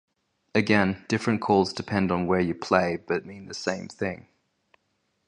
Again, different calls depend on where you play but mean the same thing.